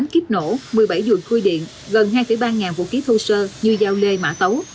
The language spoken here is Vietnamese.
tám kiếp nổ một mươi bảy dùi khui điện gần hai ba ngàn vũ khí thu sơ như giao lê mã tấu